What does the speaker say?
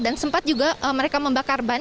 dan sempat juga mereka membakar ban